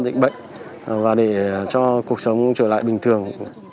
dịch bệnh và để cho cuộc sống trở lại bình thường